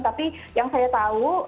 tapi yang saya tahu